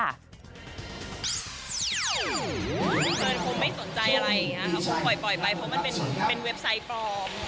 แฟนคงไม่สนใจอะไรอย่างนี้ค่ะคงปล่อยไปเพราะมันเป็นเว็บไซต์ปลอม